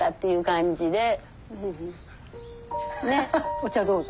お茶どうぞ。